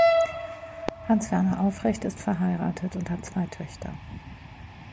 Hans Werner Aufrecht ist verheiratet und hat zwei Töchter.